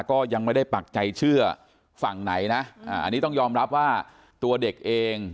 ก็ยังไม่ได้ปักใจเชื่อฝั่งไหนนะอันนี้ต้องยอมรับว่าตัวเด็กเอง